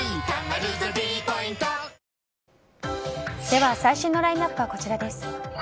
では最新のラインアップはこちらです。